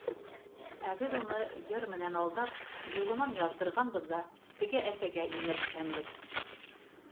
Ә беҙ уны, йыр менән алдап, юлынан яҙҙырғанбыҙ ҙа теге әсәгә йүнәлткәнбеҙ.